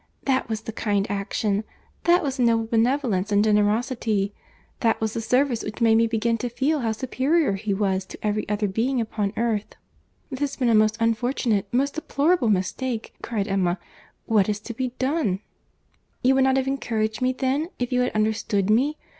That was the kind action; that was the noble benevolence and generosity; that was the service which made me begin to feel how superior he was to every other being upon earth." "Good God!" cried Emma, "this has been a most unfortunate—most deplorable mistake!—What is to be done?" "You would not have encouraged me, then, if you had understood me?